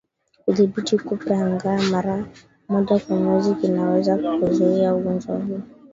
Kudhibiti kupe angaa mara moja kwa mwezi kunaweza kuzuia ugonjwa huu